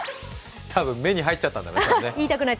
多分、目に入っちゃったんだろうね。